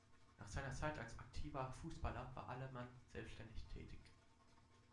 Nach seiner Zeit als aktiver Fussballer war Allemann selbständig tätig.